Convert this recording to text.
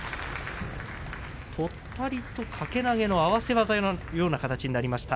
とったりと掛け投げの合わせ技のような形になりました。